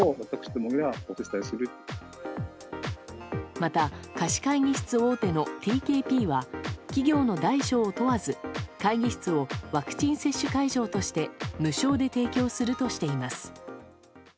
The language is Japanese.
また貸し会議室大手のＴＫＰは企業の大小を問わず会議室をワクチン接種会場として無償で提供するとしています。